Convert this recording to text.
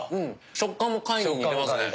食感も貝に似てますね。